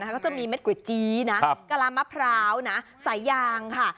เขาก็จะมีเม็ดก๋วยจี้นะกะละมะพราวอายางค่ะ